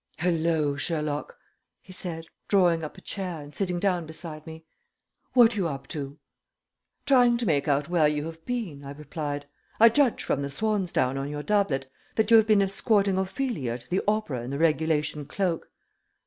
"Hello, Sherlock!" he said, drawing up a chair and sitting down beside me. "What you up to?" "Trying to make out where you have been," I replied. "I judge from the swan's down on your doublet that you have been escorting Ophelia to the opera in the regulation cloak."